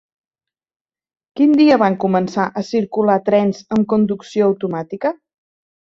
Quin dia van començar a circular trens amb conducció automàtica?